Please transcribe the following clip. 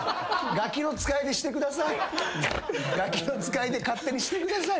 『ガキの使い』で勝手にしてください。